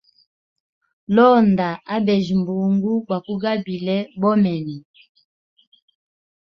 Londa abejya mbungu gwakugabile bomene.